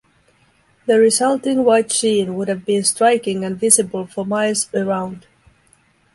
The resulting white sheen would have been striking and visible for miles around.